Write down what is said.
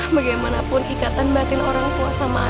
bagaimanapun ikatan batin orang tua sama anak itu gak aman